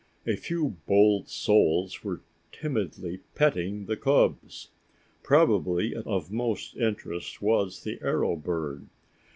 A few bold souls were timidly petting the cubs. Probably of most interest was the arrow bird.